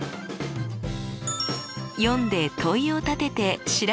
読んで問いを立てて調べて伝え合う。